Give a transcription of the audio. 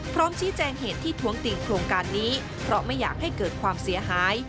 พร้อมชี้แจงเหตุที่ท้วงติงโครงการนี้เพราะไม่อยากให้เกิดความเสียหาย